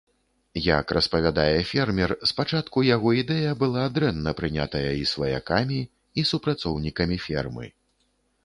Як распавядае фермер, спачатку яго ідэя была дрэнна прынятая і сваякамі і супрацоўнікамі фермы.